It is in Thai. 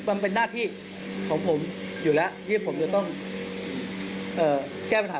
มันเป็นหน้าที่ของผมอยู่แล้ว